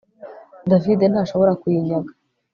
David ntashobora kuyinyaga